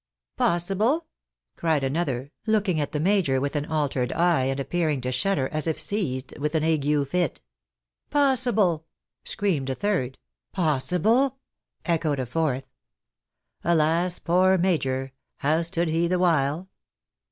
" Possible ?" cried another, looking at the major with an altered eye, and appearing to shudder, as if seized with an ague fit. " Possible !" screamed a third. " Possible !" echoed a fourth. Alas, poor Major ! How stood he the while